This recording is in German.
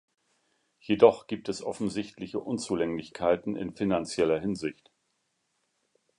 Jedoch gibt es offensichtliche Unzulänglichkeiten in finanzieller Hinsicht.